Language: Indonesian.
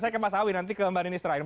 saya ke mas awi nanti ke mbak ministra